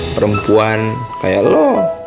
perempuan kayak lo